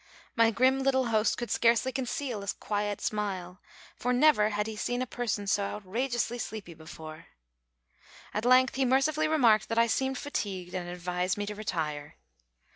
My grim little host could scarcely conceal a quiet smile, for never had he seen a person so outrageously sleepy before. At length he mercifully remarked that I seemed fatigued, and advised me to retire.